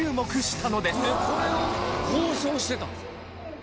これを放送してたんですか？